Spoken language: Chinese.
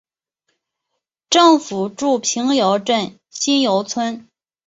政府驻瓶窑镇新窑村。